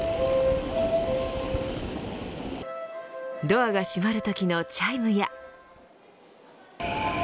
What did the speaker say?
ドアが閉まるときのチャイムや。